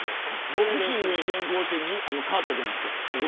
ボクシングに転向して所属も変わったじゃないですか。